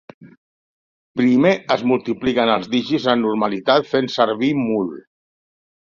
Primer es multipliquen els dígits amb normalitat fent servir mul.